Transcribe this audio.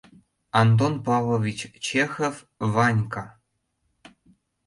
Антон Павлович ЧЕХОВ «ВАНЬКА»